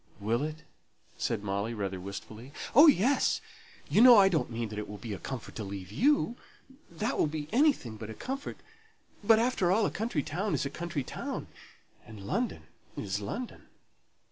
"Will it?" said Molly, rather wistfully. "Oh, yes! You know I don't mean that it will be a comfort to leave you; that will be anything but a comfort. But, after all, a country town is a country town, and London is London.